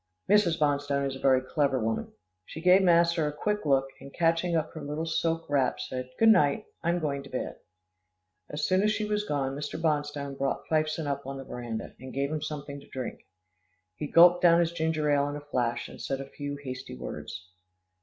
Mrs. Bonstone is a very clever woman. She gave master a quick look, and catching up her little silk wrap said, "Good night, I'm going to bed." As soon as she was gone, Mr. Bonstone brought Fifeson up on the veranda, and gave him something to drink. He gulped down his ginger ale in a flash, and said a few hasty words.